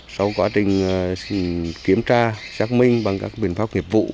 sau quá trình kiểm tra xác minh bằng các biện pháp nghiệp vụ